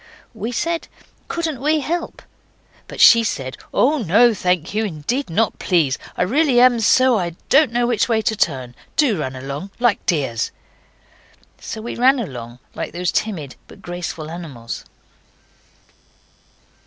We said, 'Couldn't we help?' But she said, 'Oh, no, thank you. Indeed not, please. I really am so I don't know which way to turn. Do run along, like dears.' So we ran along like these timid but graceful animals.